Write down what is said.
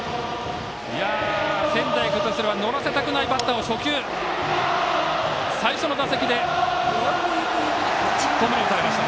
仙台育英とすれば乗らせたくないバッターを初球、最初の打席でホームランを打たれました。